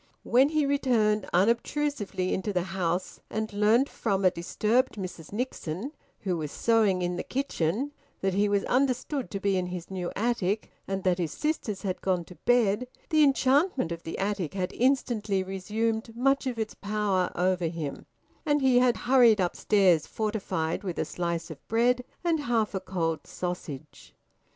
When he returned unobtrusively into the house and learnt from a disturbed Mrs Nixon, who was sewing in the kitchen, that he was understood to be in his new attic, and that his sisters had gone to bed, the enchantment of the attic had instantly resumed much of its power over him, and he had hurried upstairs fortified with a slice of bread and half a cold sausage.